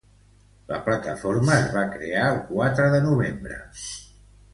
La plataforma es va crear el quatre de novembre